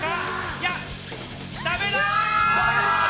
いや、ダメだ！